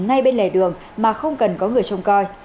ngay bên lề đường mà không cần có người trông coi